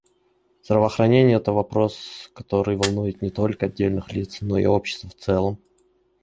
Здравоохранение — это вопрос, который волнует не только отдельных лиц, но и общество в целом.